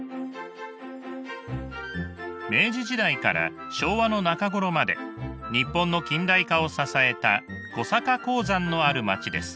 明治時代から昭和の中頃まで日本の近代化を支えた小坂鉱山のある町です。